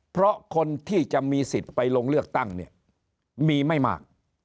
เพราะคนที่จะมีสิทธิ์ไปลงเลือกตั้งเนี่ยมีไม่มาก